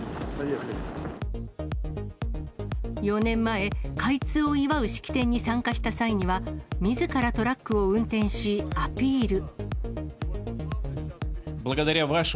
４年前、開通を祝う式典に参加した際には、みずからトラックを運転しアピール。